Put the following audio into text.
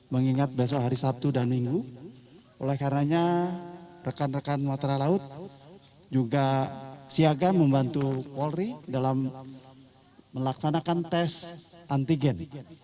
mengingat besok hari sabtu dan minggu oleh karanya rekan rekan matra laut juga siaga membantu polri dalam melaksanakan tes antigen